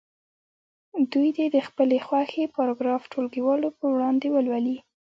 دوی دې د خپلې خوښې پاراګراف ټولګیوالو په وړاندې ولولي.